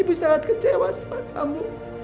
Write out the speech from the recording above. ibu sangat kecewa sama kamu